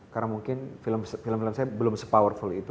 karena mungkin film film saya belum se powerful itu